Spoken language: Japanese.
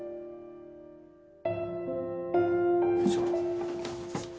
よいしょ。